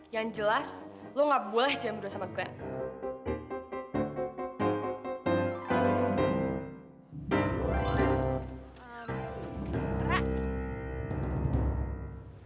yang jelas lo gak boleh jalan berdua sama glenn